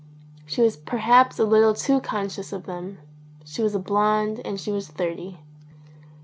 She was perhaps a little too con scious of them. She was a blonde and she was thirty.